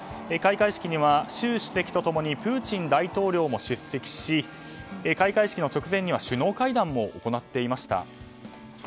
開会式には習主席と共にプーチン大統領も出席し開会式の直前には首脳会談も行っていました。